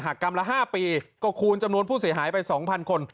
กรรมละ๕ปีก็คูณจำนวนผู้เสียหายไป๒๐๐คน